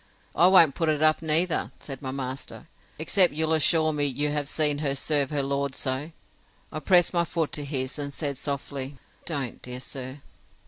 I won't put it up neither, said my master, except you'll assure me you have seen her serve her lord so. I pressed my foot to his, and said, softly, Don't, dear sir!